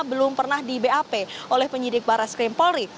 belum pernah di bap oleh penyidik barat skrimpolri